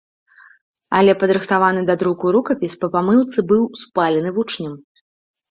Але падрыхтаваны да друку рукапіс па памылцы быў спалены вучнем.